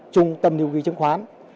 trung tâm lưu ký chứng khoán